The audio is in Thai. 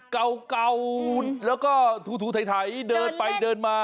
เก่าแล้วก็ถูไถเดินไปเดินมา